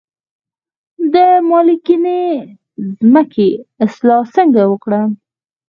د مالګینې ځمکې اصلاح څنګه وکړم؟